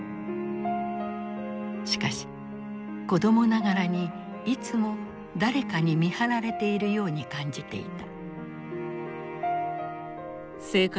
しかし子供ながらにいつも誰かに見張られているように感じていた。